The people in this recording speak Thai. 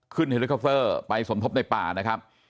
เฮลิคอปเตอร์ไปสมทบในป่านะครับ